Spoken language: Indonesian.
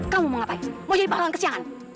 kamu mau ngapain mau jadi pahlawan kesiangan